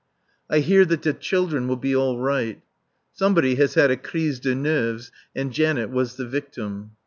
I hear that the children will be all right. Somebody has had a crise de nerfs, and Janet was the victim.